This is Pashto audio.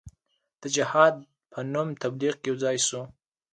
د جهاد په نوم تبلیغ کې یو ځای سو.